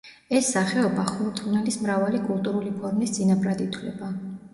ეს სახეობა ხურტკმელის მრავალი კულტურული ფორმის წინაპრად ითვლება.